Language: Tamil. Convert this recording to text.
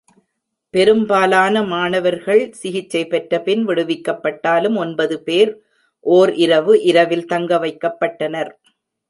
பெரும்பாலான மாணவர்கள் சிகிச்சை பெற்ற பின்னர் விடுவிக்கப்பட்டாலும், ஒன்பது பேர் ஒரு இரவு இரவில் தங்கவைக்கப்பட்டனர்.